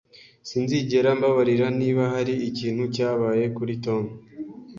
Sinzigera mbabarira niba hari ikintu cyabaye kuri Tom